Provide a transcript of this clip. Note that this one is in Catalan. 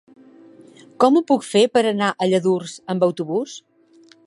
Com ho puc fer per anar a Lladurs amb autobús?